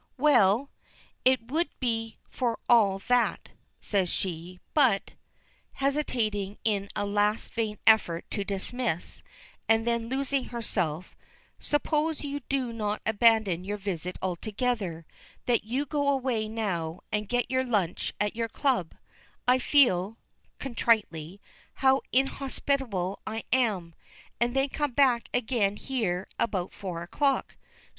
"Well, it would be for all that," says she. "But" hesitating in a last vain effort to dismiss, and then losing herself , "suppose you do not abandon your visit altogether; that you go away, now, and get your lunch at your club I feel," contritely, "how inhospitable I am and then come back again here about four o'clock.